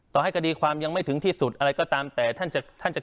ต่อให้คดีความยังไม่ถึงที่สุดอะไรก็ตามแต่ท่านจะท่านจะ